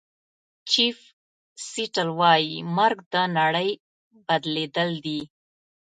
چیف سیټل وایي مرګ د نړۍ بدلېدل دي.